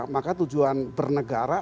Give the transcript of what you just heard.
maka tujuan bernegara